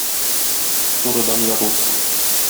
Турыдан яру